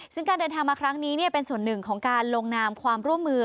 ซึ่งการเดินทางมาครั้งนี้เป็นส่วนหนึ่งของการลงนามความร่วมมือ